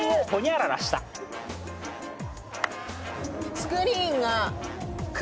スクリーンが。